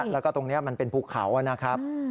แล้วก็ตรงนี้มันเป็นภูเขานะครับ